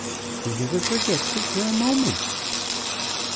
He never forgets it for a moment."